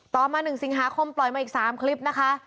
ต่อมา๑สิงหาคมปล่อยมาอีก๓คลิปนะคะ